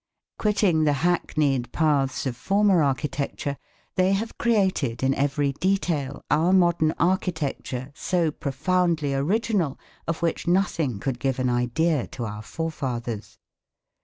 Quitting the hackneyed paths of former architecture, they have created in every detail our modern architecture so profoundly original of which nothing could give an idea to our forefathers.